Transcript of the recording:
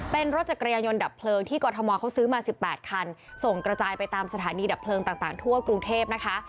เป็นรถจักรยานยนต์ดับเพลิงที่กรทมเขาซื้อมา๑๘คันส่งกระจายไปตามสถานีดับเพลิงต่างทั่วกรุงเทพนะคะ